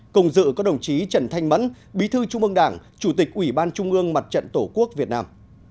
cùng dự có đồng chí trần thanh mẫn bí thư trung ương đảng chủ tịch ủy ban trung ương mặt trận tổ quốc việt nam